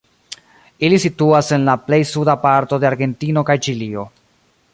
Ili situas en la plej suda parto de Argentino kaj Ĉilio.